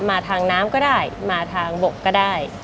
มาทางน้ำก็ได้มาทางบกก็ได้